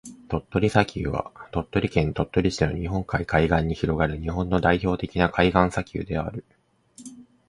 鳥取砂丘は、鳥取県鳥取市の日本海海岸に広がる日本の代表的な海岸砂丘である。